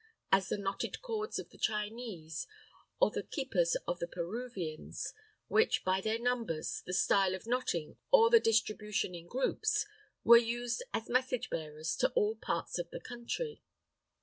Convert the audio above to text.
As the knotted cords of the Chinese, or the quippas of the Peruvians, which by their numbers, the style of knotting, or the distribution in groups, were used as message bearers to all parts of the country.